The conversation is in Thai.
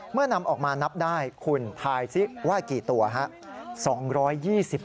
นำออกมานับได้คุณทายซิว่ากี่ตัวครับ